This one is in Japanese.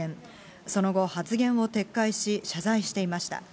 その後、発言を撤回し、謝罪していました。